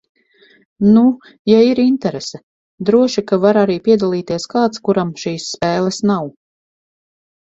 Nu, ja ir interese. Droši ka var arī piedalīties kāds, kuram šīs spēles nav.